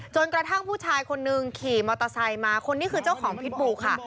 จนกระทั่งผู้ชายคนนึงขี่มอเตอร์ไซค์มาคนนี้คือเจ้าของพิษบูค่ะ